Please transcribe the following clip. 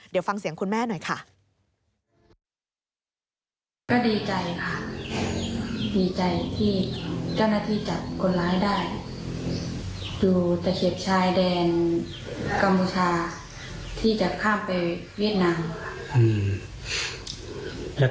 เดี๋ยวฟังเสียงคุณแม่หน่อยค่ะ